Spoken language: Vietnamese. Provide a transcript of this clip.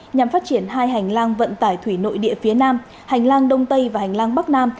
nhằm phát triển hai hành lang vận tải thủy nội địa phía nam hành lang đông tây và hành lang bắc nam